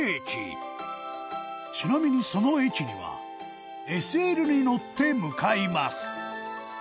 ちなみに、その駅にはＳＬに乗って向かいます